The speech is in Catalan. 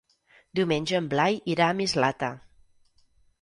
Diumenge en Blai irà a Mislata.